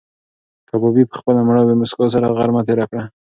کبابي په خپله مړاوې موسکا سره غرمه تېره کړه.